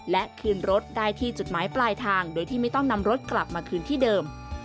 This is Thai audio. และคืนรถได้ที่จุดหมายปลายทางโดยที่ไม่ต้องนำรถกลับมาคืนที่เดิม